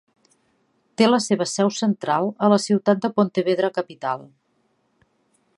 Té la seva seu central a la ciutat de Pontevedra capital.